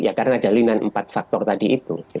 ya karena jalinan empat faktor tadi itu